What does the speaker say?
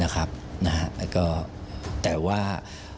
นะครับแต่ว่า